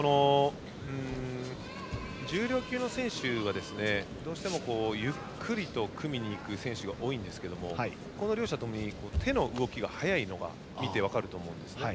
重量級の選手はどうしても、ゆっくりと組みに行く選手が多いんですけれどもこの両者ともに手の動きが速いのが見て分かると思います。